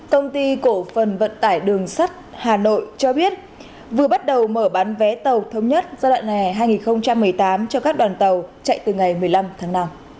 công ty cổ phần vận tải đường sắt hà nội cho biết vừa bắt đầu mở bán vé tàu thống nhất giai đoạn hè hai nghìn một mươi tám cho các đoàn tàu chạy từ ngày một mươi năm tháng năm